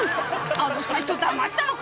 「あのサイトだましたのか？